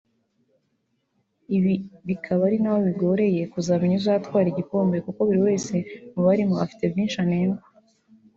ibi bikaba ari naho bigoreye kuzamenya uzatwara igikombe kuko buri wese mubarimo afite byinshi anengwa